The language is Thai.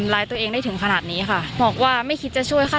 ร้ายตัวเองได้ถึงขนาดนี้ค่ะบอกว่าไม่คิดจะช่วยค่ะ